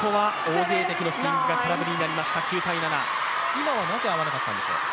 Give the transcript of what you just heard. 今はなぜ合わなかったんでしょう？